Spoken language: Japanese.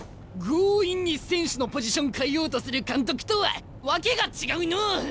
強引に選手のポジション替えようとする監督とは訳が違うのお！